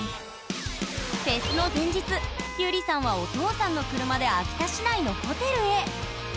フェスの前日ゆりさんはお父さんの車で秋田市内のホテルへ。